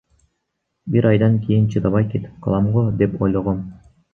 Бир айдан кийин чыдабай кетип калам го деп ойлогом.